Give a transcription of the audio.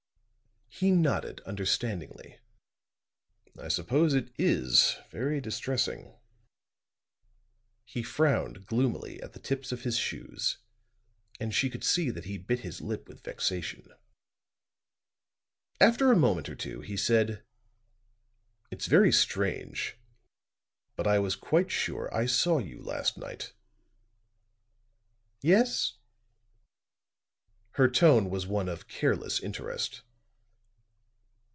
He nodded understandingly. "I suppose it is very distressing." He frowned gloomily at the tips of his shoes and she could see that he bit his lip with vexation. After a moment or two, he said: "It's very strange; but I was quite sure I saw you last night." "Yes?" Her tone was one of careless interest.